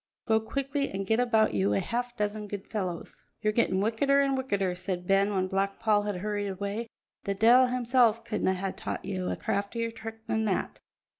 Go quickly and get about you a half dozen good fellows." "Ye're gettin' wickeder and wickeder," said Ben when Black Paul had hurried away; "the de'il himsel' couldna hae taught ye a craftier trick than that.